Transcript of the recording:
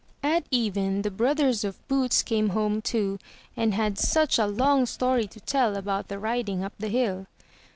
At even the brothers of Boots came home too, and had such a long story to tell about the riding up the hill.